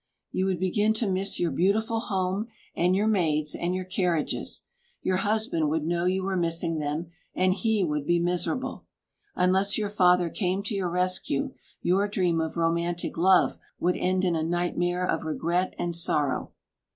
You would begin to miss your beautiful home, and your maids, and your carriages. Your husband would know you were missing them, and he would be miserable. Unless your father came to your rescue, your dream of romantic love would end in a nightmare of regret and sorrow.